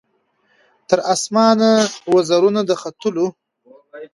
تر اسمانه وزرونه د ختلو